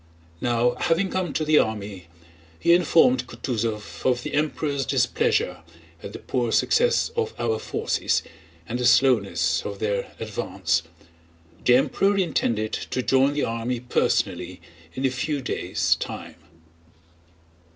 Now having come to the army, he informed Kutúzov of the Emperor's displeasure at the poor success of our forces and the slowness of their advance. The Emperor intended to join the army personally in a few days' time.